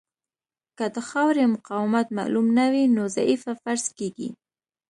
که د خاورې مقاومت معلوم نه وي نو ضعیفه فرض کیږي